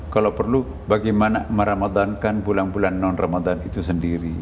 kalau perlu bagaimana meramadhankan bulan bulan non ramadan itu sendiri